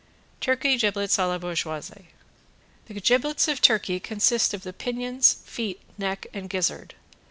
~TURKEY GIBLETS A LA BOURGEOISE~ The giblets of turkey consist of the pinions, feet, neck and gizzard.